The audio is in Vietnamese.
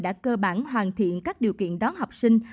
đã cơ bản hoàn thiện các điều kiện đón học sinh